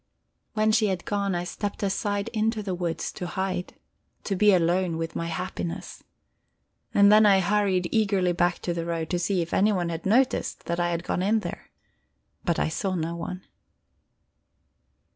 When she had gone, I stepped aside into the woods to hide, to be alone with my happiness. And then I hurried eagerly back to the road to see if anyone had noticed that I had gone in there. But I saw no one.